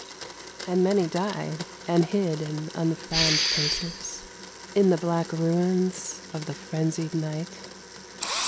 And m.iny died and hid in unfound places In the black rums of the frenzied night.